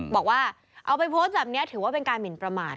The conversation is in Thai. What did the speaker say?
บอกว่าเอาไปโพสต์แบบนี้ถือว่าเป็นการหมินประมาท